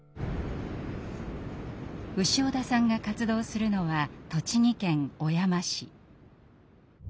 潮田さんが活動するのは栃木県小山市。